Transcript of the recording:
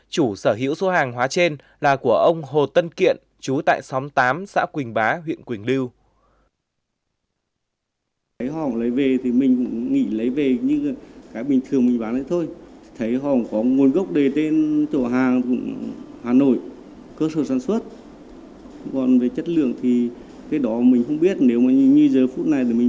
chủ sở hữu số hàng hóa trên là của ông hồ tân kiện chú tại xóm tám xã quỳnh bá huyện quỳnh lưu